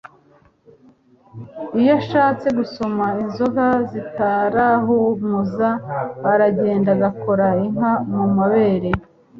iyo ashatse gusoma inzoga zitarahumuza aragenda agakora inka mu mabere